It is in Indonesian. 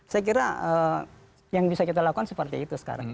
saya kira yang bisa kita lakukan seperti itu sekarang